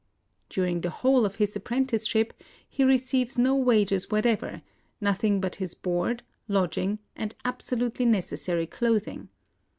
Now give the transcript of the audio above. During the whole of his apprenticeship he receives no wages what ever, — nothing but his board, lodging, and absolutely necessary clothing.